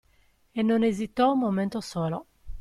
E non esitò un momento solo.